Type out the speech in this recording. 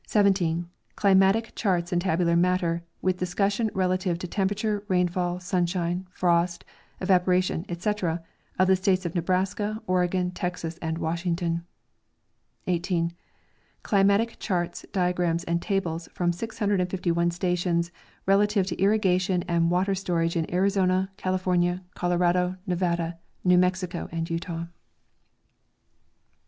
Climatic charts and tabular matter, with discussion rela tive to temperature, rainfall, sunshine, frost, evaporation, etc, of the states of Nebraska, Oregon, Texas and Washington. 18. Climatic charts, diagrams and tables from 651 stations relative to irrigation and water storage in Arizona, California, Colorado, Nevada, New Mexico and Utah.